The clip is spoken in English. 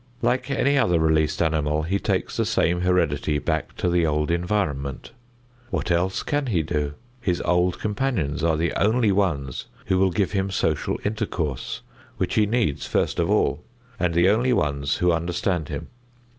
Like any other released animal, he takes the same heredity back to the old environment. What else can he do? His old companions are the only ones who will give him social intercourse, which he needs first of all, and the only ones who understand him.